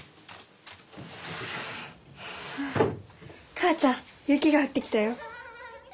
母ちゃん雪が降ってきたよ。